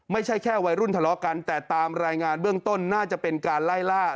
ไม่ใช่แค่วัยรุ่นทะเลาะกันแต่ตามรายงานเบื้องต้นน่าจะเป็นการไล่ล่า